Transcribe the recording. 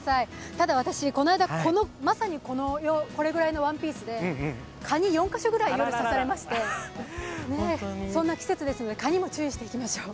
ただ私、この間、まさにこれくらいのワンピースで蚊に４か所ぐらい刺されまして、そんな季節ですので蚊にも注意していきましょう。